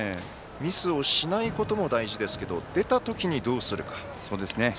ミスをしないことも大事ですけれども出た時にどうするか。